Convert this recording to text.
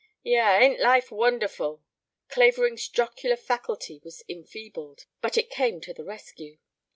"Yeh, ain't life wonderful?" Clavering's jocular faculty was enfeebled, but it came to the rescue.